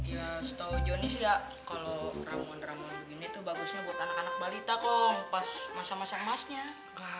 ya setahu joni sih ya kalau ramuan ramuan begini tuh bagusnya buat anak anak balita kok pas masa masang emasnya